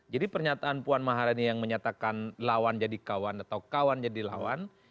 jadi pernyataan puan maharani yang menyatakan lawan jadi kawan atau kawan jadi lawan